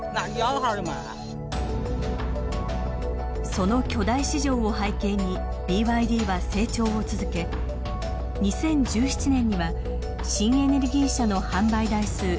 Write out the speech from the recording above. その巨大市場を背景にＢＹＤは成長を続け２０１７年には新エネルギー車の販売台数世界一となりました。